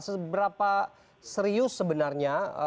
seberapa serius sebenarnya